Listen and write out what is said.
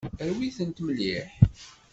Rwi-tent mliḥ.